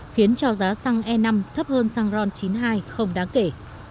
khiến cho giá xăng e năm thấp hơn xăng ron chín mươi hai không đáng kể